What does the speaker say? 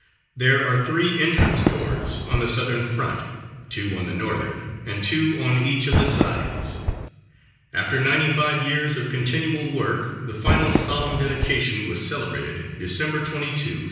There are three entrance doors on the southern front, two on the northern, and two on each of the sides. After ninety five years of continual work, the final solemn dedication was celebrated December 22, 1677.